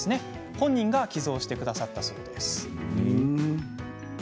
本人が寄贈してくれたそうです。